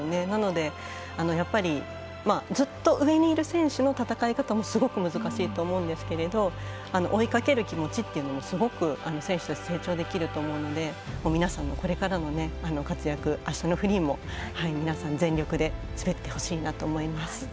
なので、ずっと上にいる選手の戦い方もすごく難しいと思うんですけど追いかける気持ちっていうのもすごく選手として成長できると思うので皆さんのこれからの活躍あしたのフリーも皆さん、全力で滑ってほしいなと思います。